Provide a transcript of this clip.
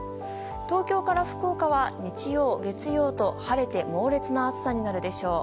東京から福岡は日曜、月曜と晴れて猛烈な暑さになるでしょう。